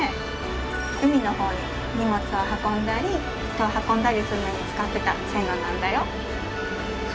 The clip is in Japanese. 海の方に荷物を運んだり人を運んだりするのに使ってた線路なんだよ。